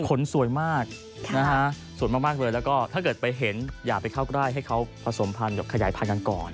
สวยมากนะฮะสวยมากเลยแล้วก็ถ้าเกิดไปเห็นอย่าไปเข้าใกล้ให้เขาผสมพันธ์กับขยายพันธุ์ก่อน